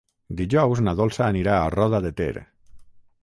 Dijous na Dolça anirà a Roda de Ter.